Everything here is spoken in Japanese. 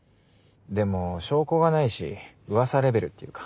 でも証拠がないし噂レベルっていうか。